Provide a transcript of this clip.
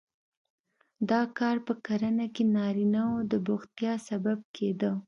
دا کار په کرنه کې نارینه وو د بوختیا سبب کېده.